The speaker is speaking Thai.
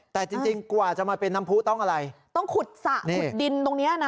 แต่จริงจริงกว่าจะมาเป็นน้ำผู้ต้องอะไรต้องขุดสระขุดดินตรงเนี้ยนะ